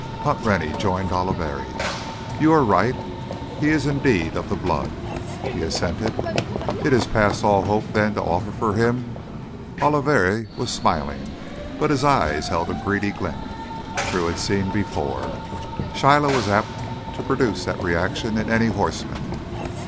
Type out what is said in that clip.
Hunt Rennie joined Oliveri. "You are right. He is indeed of the Blood," he assented. "It is past all hope then to offer for him?" Oliveri was smiling, but his eyes held a greedy glint Drew had seen before. Shiloh was apt to produce that reaction in any horseman.